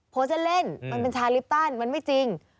เล่นมันเป็นชาลิปตันมันไม่จริง